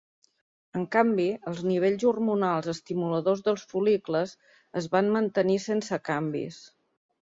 En canvi, els nivells hormonals estimuladors dels fol·licles es van mantenir sense canvis.